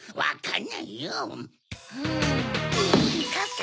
ん？